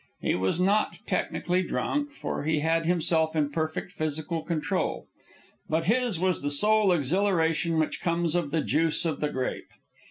He was not technically drunk, for he had himself in perfect physical control; but his was the soul exhilaration which comes of the juice of the grape.